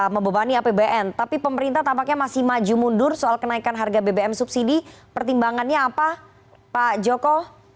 membebani apbn tapi pemerintah tampaknya masih maju mundur soal kenaikan harga bbm subsidi pertimbangannya apa pak joko